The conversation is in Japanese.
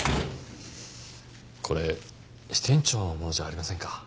これ支店長のものじゃありませんか？